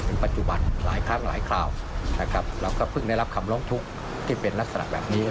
ปัจจุบันหลายครั้งหลายคราวนะครับเราก็เพิ่งได้รับคำร้องทุกข์ที่เป็นลักษณะแบบนี้